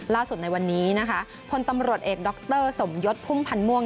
ในวันนี้นะคะพลตำรวจเอกดรสมยศพุ่มพันธ์ม่วง